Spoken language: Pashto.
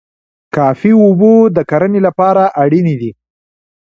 کافي اوبه د کرنې لپاره اړینې دي.